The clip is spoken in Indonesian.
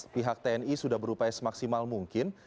pihak tni sudah berupaya semaksimal mungkin